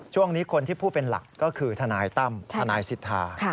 คนที่พูดเป็นหลักก็คือทนายตั้มทนายสิทธา